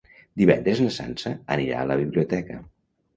Divendres na Sança anirà a la biblioteca.